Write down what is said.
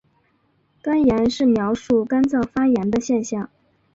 肝炎是描述肝脏发炎的现象。